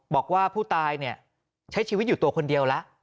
บอกว่าผู้ตายเนี่ยใช้ชีวิตอยู่ตัวคนเดียวแล้ว